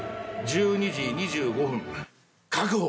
１２時２５分確保！